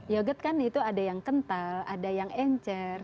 yogurt kan itu ada yang kental ada yang encer